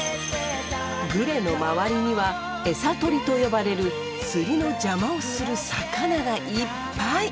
グレの周りには「エサ取り」と呼ばれる釣りの邪魔をする魚がいっぱい！